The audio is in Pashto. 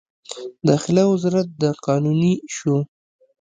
داخله وزارت د قانوني شو.